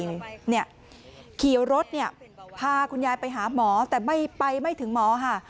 ขี่รถเนี่ยพาคุณยายไปหาหมอแต่ไม่ไปไม่ถึงหมอค่ะ